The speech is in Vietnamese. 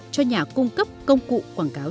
cho nhà cung cấp công cụ quảng cáo